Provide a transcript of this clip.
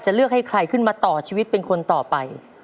เลือกให้ใครขึ้นมาต่อชีวิตเป็นคนต่อไป